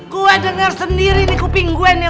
gue denger sendiri nih kuping gue nih